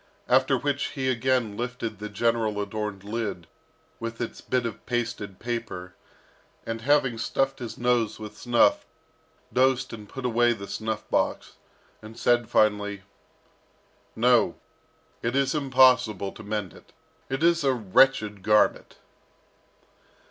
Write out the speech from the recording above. After which he again lifted the general adorned lid with its bit of pasted paper, and having stuffed his nose with snuff, dosed and put away the snuff box, and said finally, "No, it is impossible to mend it. It is a wretched garment!"